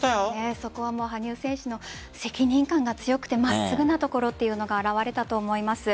そこは羽生選手の責任感が強くて真っすぐなところというのが表れたと思います。